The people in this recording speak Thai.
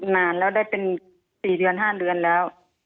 นานแล้วได้เป็น๔เดือน๕เดือนแล้ว